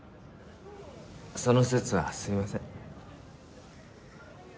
その節はすいません。